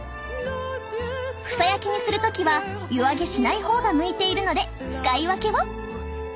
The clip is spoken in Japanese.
房焼きにする時は湯揚げしない方が向いているので使い分けを。